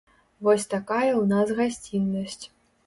Вось такая ў нас гасціннасць.